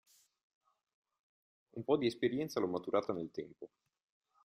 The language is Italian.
Un po' di esperienza l'ho maturata nel tempo.